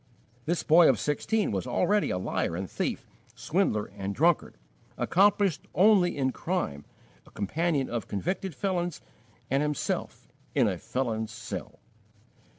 This boy of sixteen was already a liar and thief, swindler and drunkard, accomplished only in crime, a companion of convicted felons and himself in a felon's cell.